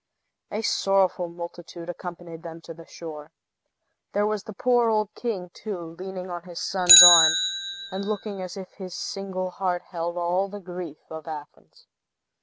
A sorrowful multitude accompanied them to the shore. There was the poor old king, too, leaning on his son's arm, and looking as if his single heart held all the grief of Athens.